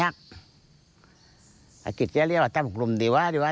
อ้าอากิศนี่เรียกว่าแต้งบุคลุมดีจ๊ะ